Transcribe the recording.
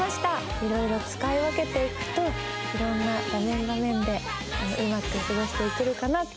いろいろ使い分けていくといろんな場面場面でうまく過ごしていけるかなと思います。